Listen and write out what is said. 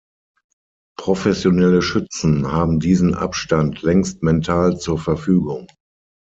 Professionelle Schützen haben diesen Abstand längst mental zur Verfügung.